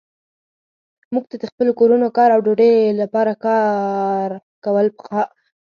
موږ ته د خپلو کورونو، کار او ډوډۍ لپاره کار کول پکار دي.